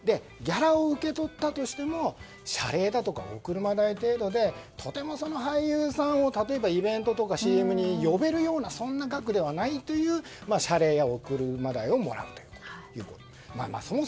ギャラを受け取ったとしても謝礼だとかお車代程度でとてもその俳優さんを例えばイベントかＣＭに呼べるようなそんな額ではないという謝礼やお車代をもらうということです。